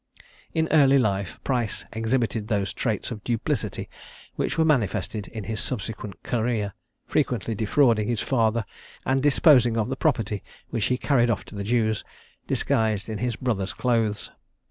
In early life Price exhibited those traits of duplicity, which were manifested in his subsequent career, frequently defrauding his father, and disposing of the property, which he carried off to the Jews, disguised in his brother's clothes.